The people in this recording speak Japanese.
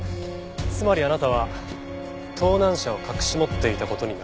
つまりあなたは盗難車を隠し持っていた事になる。